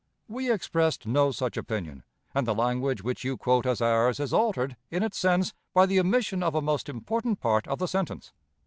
'" We expressed no such opinion, and the language which you quote as ours is altered in its sense by the omission of a most important part of the sentence.